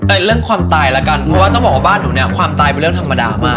เรื่องความตายแล้วกันเพราะว่าต้องบอกว่าบ้านหนูเนี่ยความตายเป็นเรื่องธรรมดามาก